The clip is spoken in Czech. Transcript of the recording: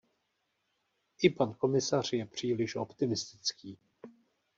I pan komisař je příliš optimistický.